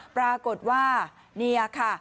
ปรากฏว่านี่ค่ะ